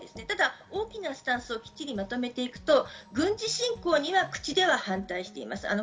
ただ大きなスタンスをきっちりまとめていくと軍事侵攻には口では反対しています。